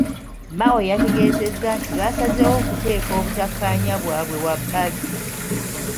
Mao yategeezezza nti basazeewo okuteeka obutakkaanya bwabwe wabbali.